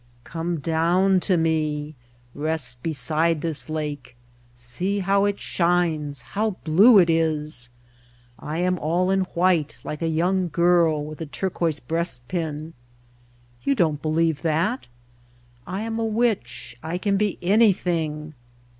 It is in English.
"Come down to me I Rest beside this lake. See how it shines, how blue it isl I am all in white like a young girl with a turquoise breastpin. You don't believe that? I am a witch, I can be anything.